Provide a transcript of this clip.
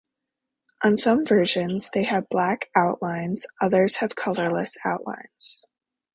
On some versions they have black outlines; others have colourless outlines.